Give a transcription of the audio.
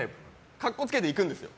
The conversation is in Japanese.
格好つけて行くんですよ。